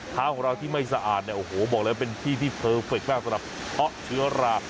เท้าของเราที่ไม่สะอาดเนี่ยโอ้โหบอกเลยเป็นที่ที่เพอร์เฟคมากสำหรับเพาะเชื้อรา